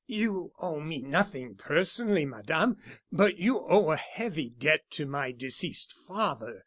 "You owe me nothing personally, Madame; but you owe a heavy debt to my deceased father.